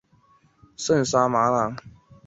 东非蜂的授粉效果也比欧洲蜂差。